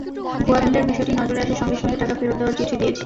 ভুয়া বিলের বিষয়টি নজরে আসার সঙ্গে সঙ্গে টাকা ফেরত দেওয়ার চিঠি দিয়েছি।